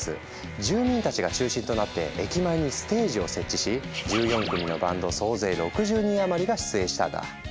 住民たちが中心となって駅前にステージを設置し１４組のバンド総勢６０人余りが出演したんだ。